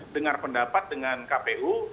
dengar pendapat dengan kpu